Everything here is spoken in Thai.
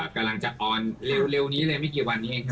กำลังจะออนเร็วนี้เลยไม่กี่วันนี้เอง